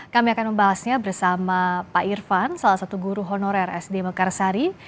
kami akan membahasnya bersama pak irfan salah satu guru honorer sd mekarsari